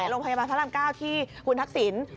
ลงพยาบาลพระอำกาลที่หุ่นทักศิลป์